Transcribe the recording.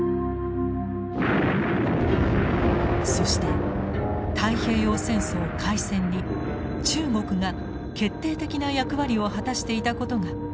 そして太平洋戦争開戦に中国が決定的な役割を果たしていたことが明らかになったのです。